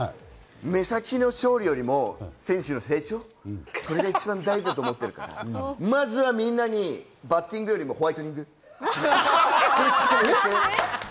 目先の勝利よりも選手の成長、これが一番大事だと思ってるから、まずはみんなにバッティングよりもホワイトニング。